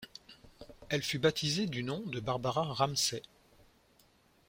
Elle fut baptisée du nom de Barbara Ramsay.